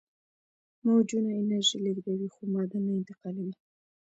موجونه انرژي لیږدوي خو ماده نه انتقالوي.